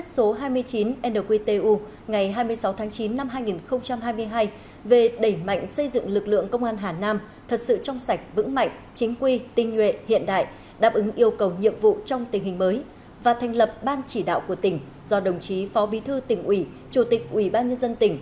khởi dậy ý chí quyết tâm xây dựng lực lượng công an nhân dân thật sự trong sạch vững mạnh chính quy tinh nhuệ hiện đại xứng đáng là lực lượng vũ trang tiên cậy là thanh bảo kiếm và là lá trán bảo vệ chế độ bảo vệ đảng nhà nước và nhân dân